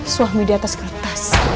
suami di atas kertas